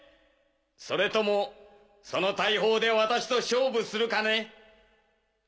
それともその大砲で私と勝負するかね？